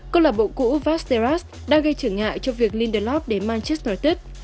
cơ lợi bộ cũ vazderas đã gây trở ngại cho việc lindelof đến manchester united